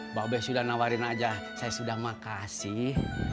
mbak bes sudah nawarin aja saya sudah makasih